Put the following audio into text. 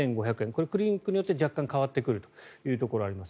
これはクリニックによって若干、変わってくるところはあります。